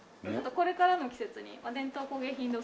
これからの季節？